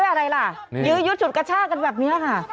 ยืดชุดกระชากันแบบนี้ล่ะค่ะ